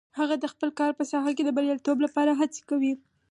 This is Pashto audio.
هغه د خپل کار په ساحه کې د بریالیتوب لپاره هڅې کوي